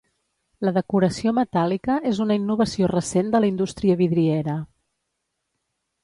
La decoració metàl·lica és una innovació recent de la indústria vidriera.